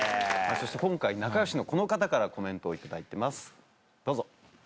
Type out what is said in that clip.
そして今回仲良しのこの方からコメントを頂いてますどうぞ。